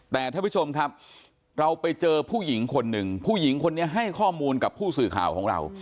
แต่ท่านผู้ชมครับเราไปเจอผู้หญิงคนหนึ่งผู้หญิงคนนี้ให้ข้อมูลกับผู้สื่อข่าวของเรา